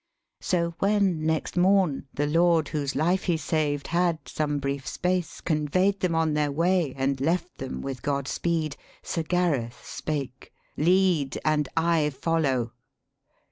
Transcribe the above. So when, next morn, the lord whose life he saved Had, some brief space, convey'd them on their way And left them with God speed, Sir Gareth spake, 'Lead and I follow.'